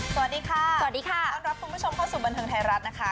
สวัสดีค่ะสวัสดีค่ะต้อนรับคุณผู้ชมเข้าสู่บันเทิงไทยรัฐนะคะ